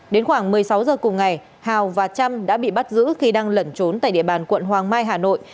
đến khoảng một mươi sáu giờ cùng ngày hào và trâm đã bị bắt giữ khi đang lẩn trốn tại địa bàn quận hoàng mai hà nội